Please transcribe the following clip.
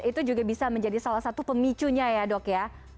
itu juga bisa menjadi salah satu pemicunya ya dok ya